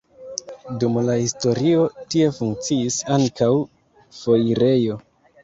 Dum la historio tie funkciis ankaŭ foirejo.